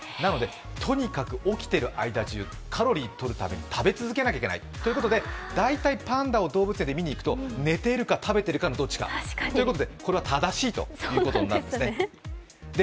とにかく起きている間中、カロリーを取るために食べ続けなきゃいけないということで、大体パンダを動物園に見に行くと、寝ているか食べてるかのどちらかということでということで、これは正しいということになるんですね。